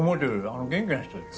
あの元気な人でしょ？